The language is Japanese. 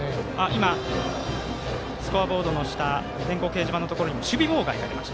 今、スコアボードの下電光掲示板のところに守備妨害となりました。